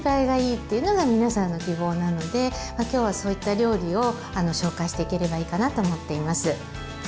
今日はそういった料理を紹介していければいいかなと思っています。